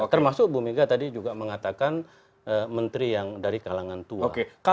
termasuk ibu megawati soekarnoputri tadi juga mengatakan menteri yang dari kalangan tua